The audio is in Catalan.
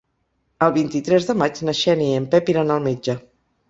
El vint-i-tres de maig na Xènia i en Pep iran al metge.